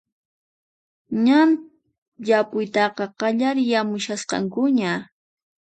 Ñan yapuytaqa qallariramushasqakuña